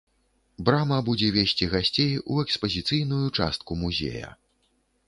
Брама будзе весці гасцей у экспазіцыйную частку музея.